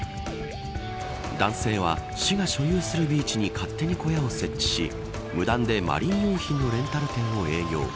男性は市が所有するビーチに勝手に小屋を設置し無断でマリン用品のレンタル店を営業。